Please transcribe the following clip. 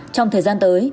trong thời gian tới